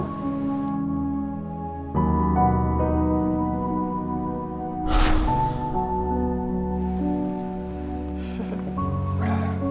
sakit dia sih